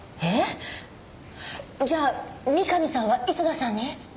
えっ？じゃあ三上さんは磯田さんに？